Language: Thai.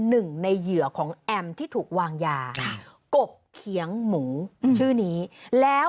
หนึ่งในเหยื่อของแอมที่ถูกวางยากบเขียงหมูชื่อนี้แล้ว